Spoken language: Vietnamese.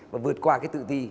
và vượt qua cái tự tin